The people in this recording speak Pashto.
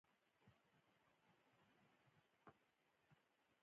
د ویالې ارتفاع باید د سرک د سطحې څخه زیاته نه وي